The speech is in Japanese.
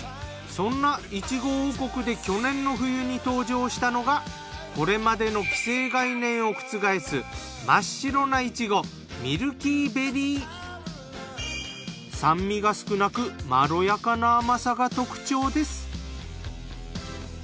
そんなイチゴ王国で去年の冬に登場したのがこれまでの既成概念を覆す真っ白なイチゴ酸味が少なくまろやかな甘さが特徴です。